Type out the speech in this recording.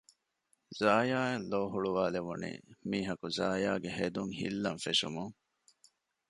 ޒާޔާއަށް ލޯހުޅުވާލެވުނީ މީހަކު ޒާޔާގެ ހެދުން ހިއްލަން ފެށުމުން